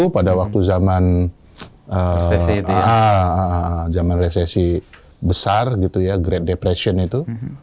seribu sembilan ratus tiga puluh satu pada waktu zaman resesi besar gitu ya great depression itu